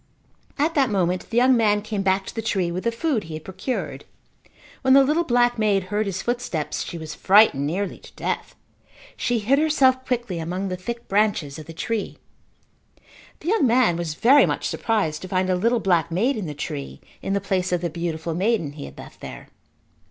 At that moment the young man came back to the tree with the food he had procured. When the little black maid heard his footsteps she was frightened nearly to death. She hid herself quickly among the thick branches of the tree. The young man was very much surprised to find a little black maid in the tree in the place of the beautiful maiden he had left there.